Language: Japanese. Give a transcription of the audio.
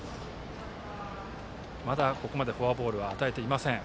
まだここまでフォアボール与えていません。